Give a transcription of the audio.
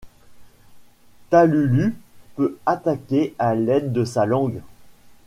Talulu peut attaquer à l'aide de sa langue.